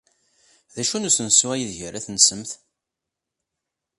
D acu n usensu aydeg ara tensemt?